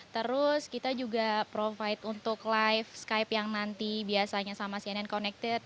terus kita juga provide untuk live skype yang nanti biasanya sama cnn connected